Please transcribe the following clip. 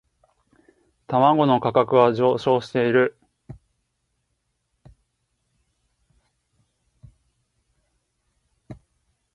卵の価格は上昇している